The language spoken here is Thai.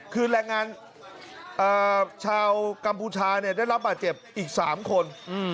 คือแหล่งงานเอ่อชาวกัมพูชาเนี่ยได้รับบาดเจ็บอีกสามคนอืม